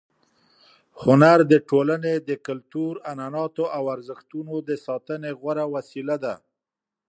هنر د ټولنې د کلتور، عنعناتو او ارزښتونو د ساتنې غوره وسیله ده.